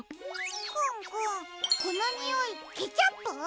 くんくんこのにおいケチャップ？